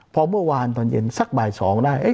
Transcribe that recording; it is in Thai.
พอเมื่อวานตอนโจมตีสักบ่ายสองได้